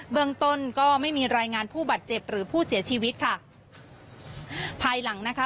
เมืองต้นก็ไม่มีรายงานผู้บาดเจ็บหรือผู้เสียชีวิตค่ะภายหลังนะคะ